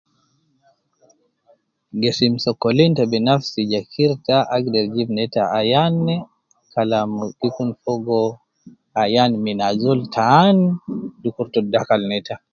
Gesim sokolin te binafsi je kirta agder jibu neita ayan kalam gi kun fogo ayan min azol taan dukur te dakal neita.